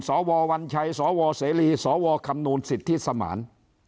สววัญชัยสวเสรีสวคำนวณสิทธิสมาน